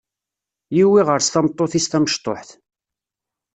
Yiwi ɣer-s tameṭṭut-is tamecṭuḥt.